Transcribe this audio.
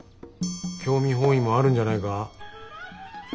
興味本位もあるんじゃないか？